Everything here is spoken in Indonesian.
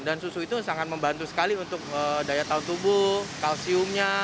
dan susu itu sangat membantu sekali untuk daya tahun tubuh kalsiumnya